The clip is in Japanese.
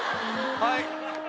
はい。